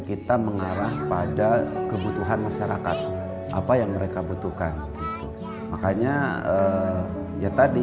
kita mengarah pada kebutuhan masyarakat